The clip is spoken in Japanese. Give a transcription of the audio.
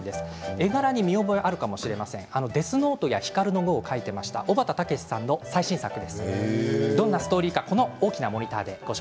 絵柄に見覚えがあるかもしれません「ＤＥＡＴＨＮＯＴＥ」や「ヒカルの碁」を描いていた小畑健さんの最新作です。